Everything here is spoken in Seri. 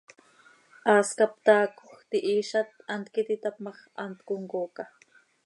Haas cap taacoj, tihiizat, hant quih iti tap ma x, hant comcooca.